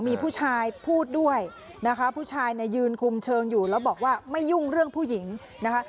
มีผู้ชายพูดด้วยนะคะผู้ชายเนี่ยยืนคุมเชิงอยู่แล้วบอกว่าไม่ยุ่งเรื่องผู้หญิงนะคะ